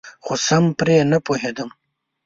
خو سم پرې نپوهیدم.